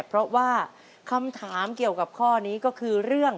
เพราะว่าคำถามเกี่ยวกับข้อนี้ก็คือเรื่อง